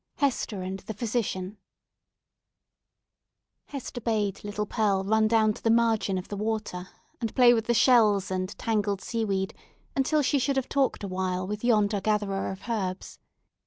HESTER AND THE PHYSICIAN Hester bade little Pearl run down to the margin of the water, and play with the shells and tangled sea weed, until she should have talked awhile with yonder gatherer of herbs.